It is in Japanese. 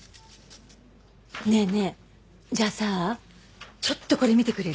ねえねえじゃあさちょっとこれ見てくれる？